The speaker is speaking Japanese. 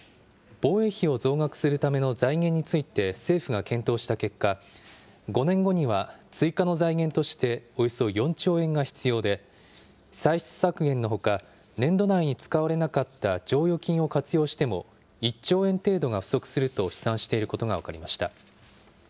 防衛費を増額するための財源について政府が検討した結果、５年後には追加の財源として、およそ４兆円が必要で、歳出削減のほか、年度内に使われなかった剰余金を活用しても、１兆円程度が不足すると試算していることが分かりました。